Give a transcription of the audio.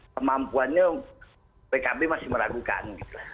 kemampuannya pkb masih meragukan